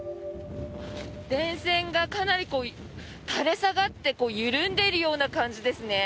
電線がかなり垂れ下がって緩んでいるような感じですね。